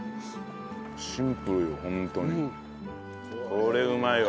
これうまいわ。